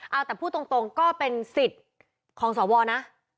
เอาแต่พูดตรงก็เป็นสิทธิ์ของสวนะ